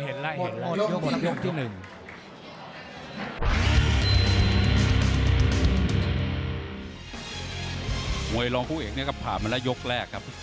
ตอนร้อยลองครู้เอกมันก็ผ่านไปแล้วยกแรกครับ